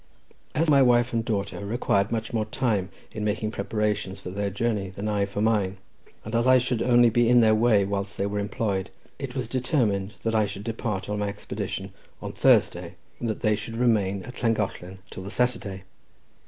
As my wife and daughter required much more time in making preparations for their journey than I for mine, and as I should only be in their way whilst they were employed, it was determined that I should depart on my expedition on Thursday, and that they should remain at Llangollen till the Saturday.